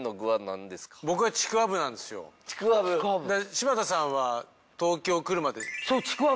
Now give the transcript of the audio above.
柴田さんは東京来るまで。